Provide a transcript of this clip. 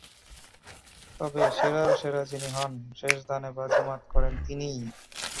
তবে সেরার সেরা যিনি হন, শেষ দানে বাজি মাত করেন তিনিই।